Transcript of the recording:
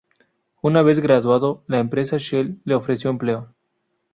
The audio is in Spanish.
Una vez graduado la empresa Shell le ofreció empleo.